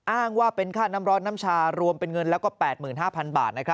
อ้างว่าเป็นค่าน้ำร้อนน้ำชารวมเป็นเงินแล้วก็๘๕๐๐๐บาท